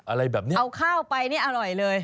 อะไรแบบนี้เอาข้าวไปนี่อร่อยเลย